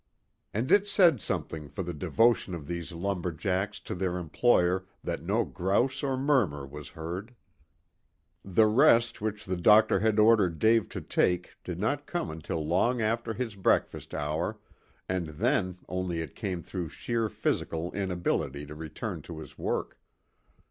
And it said something for the devotion of these lumber jacks to their employer that no "grouse" or murmur was heard. The rest which the doctor had ordered Dave to take did not come until long after his breakfast hour, and then only it came through sheer physical inability to return to his work.